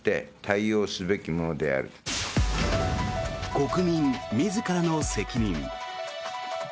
国民自らの責任。